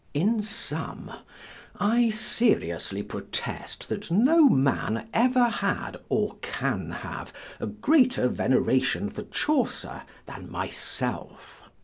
In sum, I seriously protest that no man ever had, or can have, a greater veneration for Chaucer, than myself.